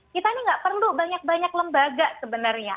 kita ini nggak perlu banyak banyak lembaga sebenarnya